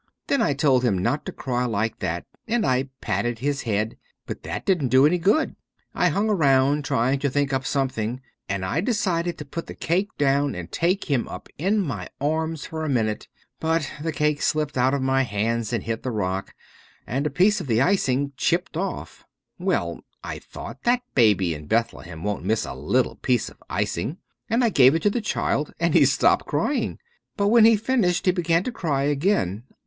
Then I told him not to cry like that, and I patted his head, but that didn't do any good. I hung around, trying to think up something, and I decided to put the cake down and take him up in my arms for a minute. But the cake slipped out of my hands and hit the rock, and a piece of the icing chipped off. Well, I thought, that baby in Bethlehem won't miss a little piece of icing, and I gave it to the child and he stopped crying. But when he finished he began to cry again.